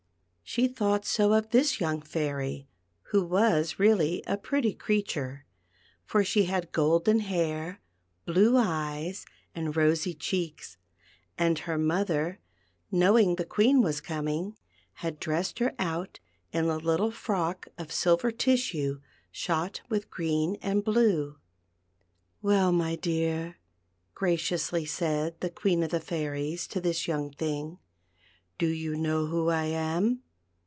She thought so of this young Fairy, who was really a pretty crea ture, for she had golden hair, blue eyes, and ros\ cheeks, and her mother* knowing the Queen was coming, had dressed her out in a little frock of silver tissue, shot with green and blue. •'Well, my dear," graciously said the Queen of the Fairies to this young thing, "do you know who I am